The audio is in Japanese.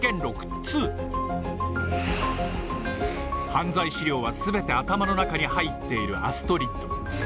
犯罪資料はすべて頭の中に入っているアストリッド。